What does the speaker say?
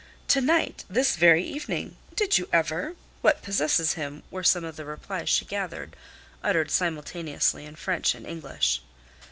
"To night!" "This very evening!" "Did you ever!" "What possesses him!" were some of the replies she gathered, uttered simultaneously in French and English.